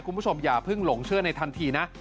คุณผู้ชมอย่าเพิ่งหลงเชื่อในทันทีนะ